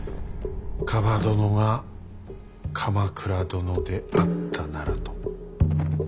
蒲殿が鎌倉殿であったならと。